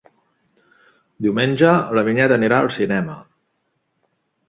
Diumenge na Vinyet anirà al cinema.